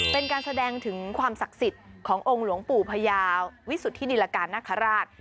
เป็นการแสดงถึงความศักดิ์สิทธิ์ขององค์หลวงปู่พญาวิสุทธินิรการนคราช